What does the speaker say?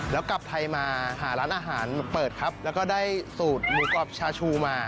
แล้วกลับไทยมาหาร้านอาหารเปิดครับแล้วก็ได้สูตรหมูกรอบชาชูมา